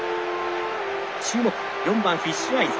注目４番フィッシュアイズ。